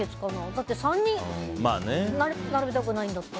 だって３人並びたくないんだったら。